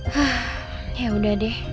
hah ya udah deh